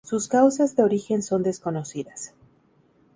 Sus causas de origen son desconocidas.